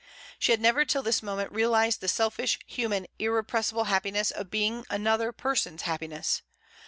She had never till this moment realised the selfish, human, irrepressible happiness of being an other person's happiness.